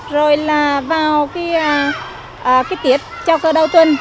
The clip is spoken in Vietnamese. rồi là vào cái tiết trao cơ đầu tuần